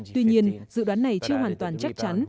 tuy nhiên dự đoán này chưa hoàn toàn chắc chắn